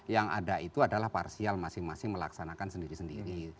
yang ada itu adalah parsial masing masing melaksanakan sendiri sendiri